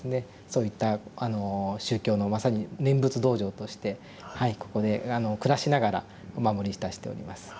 そういったあの宗教のまさに念仏道場としてはいここで暮らしながらお守りいたしております。